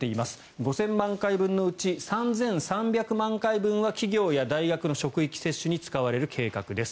５０００万回分のうち３３００万回分は企業か大学の職域接種に使われる計画です。